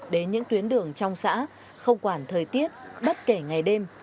đến những tuyến đường trong xã không quản thời tiết bất kể ngày đêm